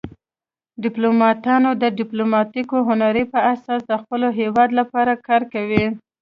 ډیپلوماتان د ډیپلوماتیکو هنرونو په اساس د خپل هیواد لپاره کار کوي